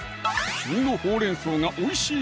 旬のほうれん草がおいしい